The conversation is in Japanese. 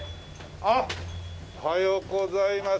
ああおはようございます。